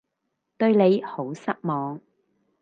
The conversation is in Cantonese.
對你好失望